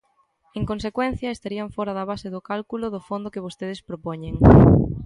En consecuencia, estarían fóra da base do cálculo do fondo que vostedes propoñen.